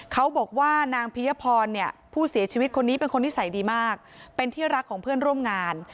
เขาบอกว่านางพิยพรเนี่ยผู้เสียชีวิตคนนี้เป็นคนนิสัยดีมากเป็นที่รักของเพื่อนร่วมงาน